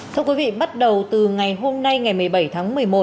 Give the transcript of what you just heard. thưa quý vị bắt đầu từ ngày hôm nay ngày một mươi bảy tháng một mươi một